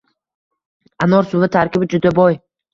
Anor suvi tarkibi juda boy.